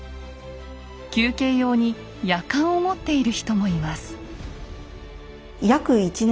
休憩用にやかんを持っている人もいます。